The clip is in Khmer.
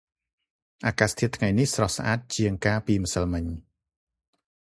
អាកាសធាតុថ្ងៃនេះស្រស់ស្អាតជាងកាលពីម្សិលមិញ។